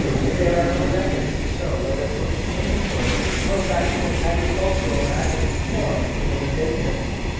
There are no records to show whether social intercourse or practical agricultural matters formed the main business.